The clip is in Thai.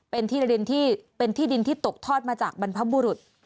เป็นที่ดินที่ตกทอดมาจากบรรพบุรุษ